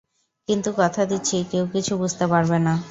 কিন্তু কথা দিচ্ছি, কেউ কিছু বুঝতে পারবে না।